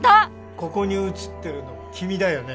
ここに写ってるの君だよね？